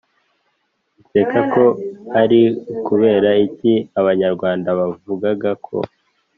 Ukeka ko ari ukubera iki Abanyarwnda bavugaga ko